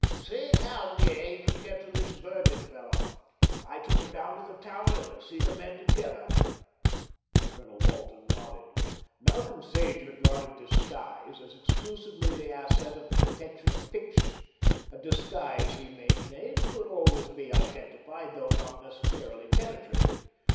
"Seeing how near he can get to this Bergen fellow. I took him down to the Tower to see the men together." Colonel Walton nodded. Malcolm Sage regarded disguise as exclusively the asset of the detective of fiction. A disguise, he maintained, could always be identified, although not necessarily penetrated.